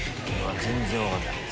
全然分かんない。